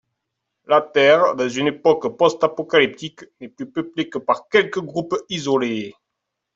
La Terre, dans une époque post-apocalyptique, n'est plus peuplée que par quelques groupes isolés.